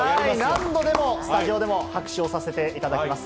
何度でも、スタジオでも拍手をさせていただきます。